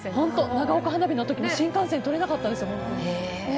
長岡花火の時も新幹線、取れなかったんですよ。